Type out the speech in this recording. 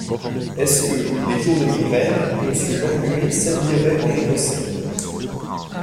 Est-ce que, les jours de migraine, Monsieur Lenglumé s’habillerait en Ecossais ?…